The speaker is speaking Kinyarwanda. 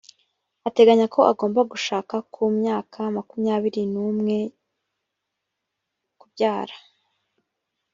ateganya ko agomba gushaka ku myaka makumyabiri n umwe kubyara